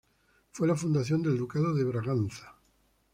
Fue la fundación del Ducado de Braganza.